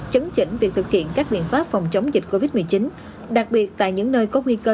chấn chỉnh việc thực hiện các biện pháp phòng chống dịch covid một mươi chín đặc biệt tại những nơi có nguy cơ